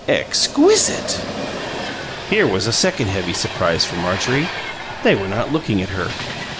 "Exquisite!" Here was a second heavy surprise for Marjorie: they were not looking at her.